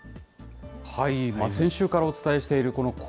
先週からお伝えしているこの恒